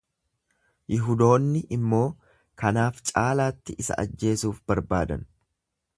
Yihudoonni immoo kanaaf caalaatti isa ajjeesuuf barbaadan.